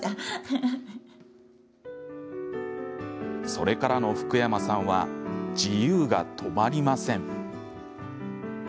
それからの福山さんは自由が止まりません。